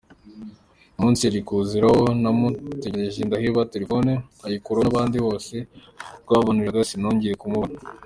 Umunsi yari kuziraho naramutegereje ndaheba, telefoni ayikuraho n’ahandi hose twavuganiraga sinongeye kumubona”.